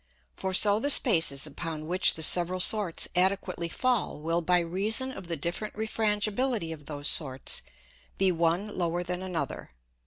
For so the Spaces upon which the several sorts adequately fall will by reason of the different Refrangibility of those sorts be one lower than another.